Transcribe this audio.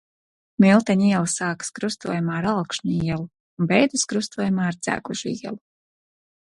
Milteņu iela sākas krustojumā ar Alkšņu ielu un beidzas krustojumā ar Dzegužu ielu.